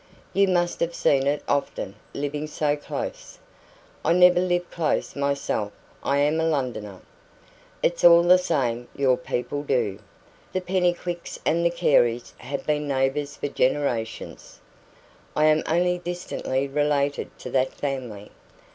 "You must have seen it often, living so close." "I never lived close myself; I am a Londoner." "It's all the same your people do. The Pennycuicks and the Careys have been neighbours for generations." "I am only distantly related to that family."